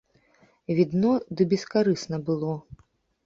Відно ды бескарысна было.